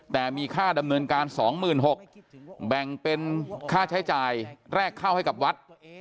แต่มีค่าดำเนินการ๒๖๐๐แบ่งเป็นค่าใช้จ่ายแรกเข้าให้กับวัด